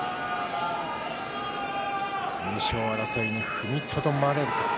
優勝争いに踏みとどまれるか。